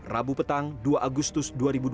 rabu petang dua agustus dua ribu dua puluh